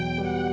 aku mau balik